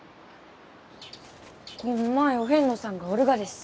こんまいお遍路さんがおるがです。